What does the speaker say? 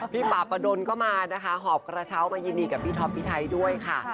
ป่าประดนก็มานะคะหอบกระเช้ามายินดีกับพี่ท็อปพี่ไทยด้วยค่ะ